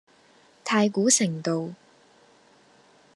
太古城道